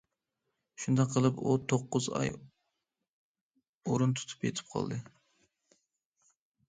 شۇنداق قىلىپ ئۇ توققۇز ئاي ئورۇن تۇتۇپ يېتىپ قالدى.